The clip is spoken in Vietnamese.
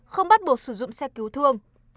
không bắt buộc sử dụng xe cứu thương